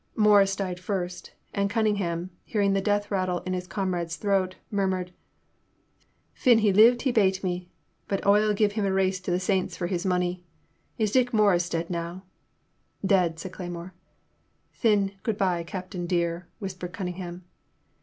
Morris died first, and Cunningham, hear ing the death rattle in his comrade's throat, mur mured: Phin he lived he bate me, but oi *11 give him a race to the Saints fur his money! Is Dick Morris dead now ?Dead,*' said Cle3nnore. Thin, good bye. Captain dear, whispered Cunningham.